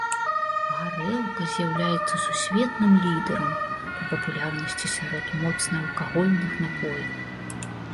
Гарэлка з'яўляецца сусветным лідарам па папулярнасці сярод моцнаалкагольных напояў.